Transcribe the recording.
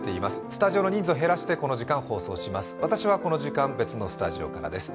スタジオの人数を減らして、この時間、放送します。